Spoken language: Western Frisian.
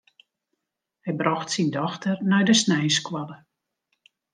Hy brocht syn dochter nei de sneinsskoalle.